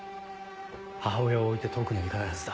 母親を置いて遠くには行かないはずだ。